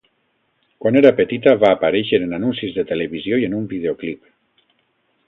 Quan era petita va aparèixer en anuncis de televisió i en un videoclip.